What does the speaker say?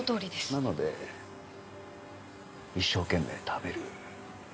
なので一生懸命食べる。